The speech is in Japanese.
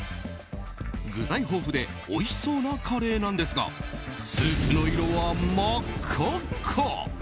具材豊富でおいしそうなカレーなんですがスープの色は真っ赤っか。